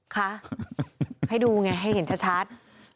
คะให้ดูไงให้เห็นชัด